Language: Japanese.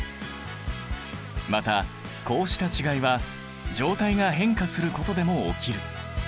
またこうした違いは状態が変化することでも起きる。